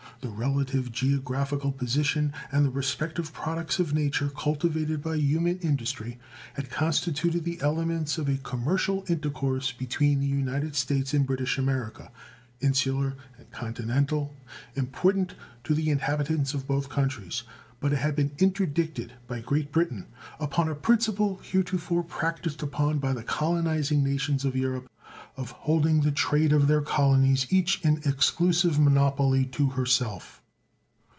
The relative geographical position and the respective products of nature cultivated by human industry had constituted the elements of a commercial intercourse between the United States and British America, insular and continental, important to the inhabitants of both countries; but it had been interdicted by Great Britain upon a principle heretofore practiced upon by the colonizing nations of Europe, of holding the trade of their colonies each in exclusive monopoly to herself.